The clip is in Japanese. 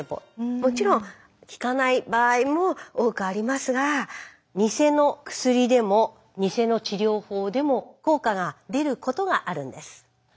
もちろん効かない場合も多くありますがニセの薬でもニセの治療法でも効果が出ることがあるんです。